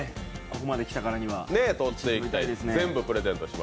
ここまで来たからには当てたいですね。